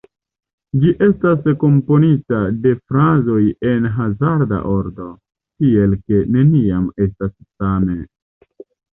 Ĝi estas komponita de frazoj en hazarda ordo, tiel ke neniam estas same.